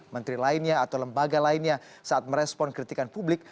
menteri lainnya atau lembaga lainnya saat merespon kritikan publik